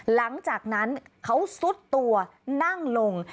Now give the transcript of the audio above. หลังจากนั้นเขาซุดตัวนั่งลง